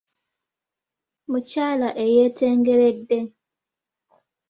Mukyala eyeetengeredde.